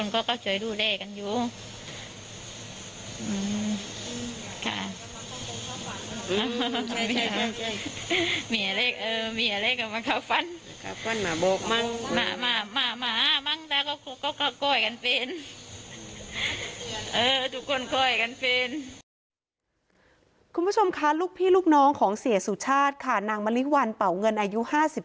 คุณผู้ชมค่ะลูกพี่ลูกน้องของเสียสุชาติค่ะนางมะลิวัลเป่าเงินอายุ๕๓